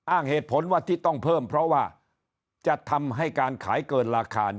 อ้างเหตุผลว่าที่ต้องเพิ่มเพราะว่าจะทำให้การขายเกินราคา